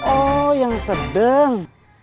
oh yang sedang